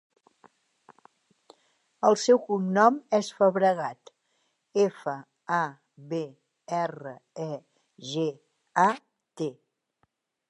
El seu cognom és Fabregat: efa, a, be, erra, e, ge, a, te.